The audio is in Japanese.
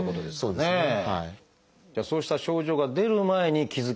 そうですよね。